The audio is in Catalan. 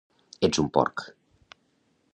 Ets un porc!